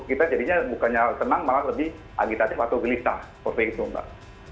kita jadinya bukannya senang malah lebih agitatif atau gelisah